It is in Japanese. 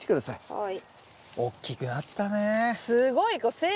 はい。